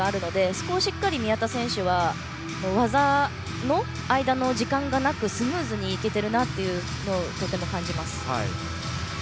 そこをしっかり宮田選手は技の間の時間がなくスムーズに行けているなというのをとても感じます。